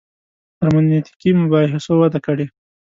هرمنوتیکي مباحثو وده کړې.